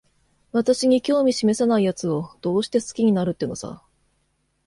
私に興味しめさないやつを、どうして好きになるってのさ。